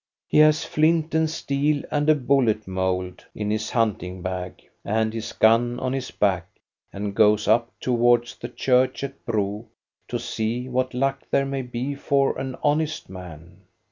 He has flint and steel and a bullet mould in his hunting bag, and his gun on his back, and goes up towards the church at Bro to see what luck there may be for an honest man.